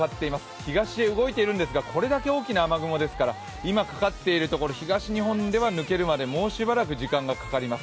東へ動いているんですが、これだけ大きな雨雲ですから今かかっているところ東日本では抜けるまでもうしばらく時間がかかります。